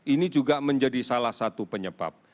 ini juga menjadi salah satu penyebab